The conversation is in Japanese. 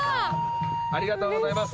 ありがとうございます。